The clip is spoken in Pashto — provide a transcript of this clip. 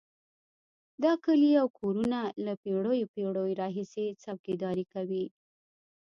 دا کلي او کورونه له پېړیو پېړیو راهیسې څوکیداري کوي.